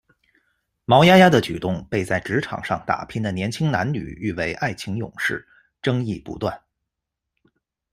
毛丫丫的举动被在职场上打拼的年轻男女誉为“爱情勇士”，争议不断。